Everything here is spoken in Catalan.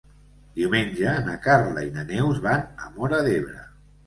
Diumenge na Carla i na Neus van a Móra d'Ebre.